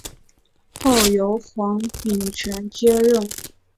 后由黄秉权接任。